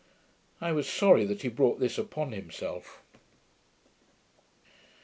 I was sorry that he brought this upon himself.